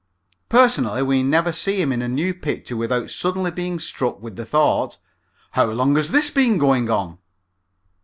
Personally we never see him in a new picture without suddenly being struck with the thought, "How long has this been going on?"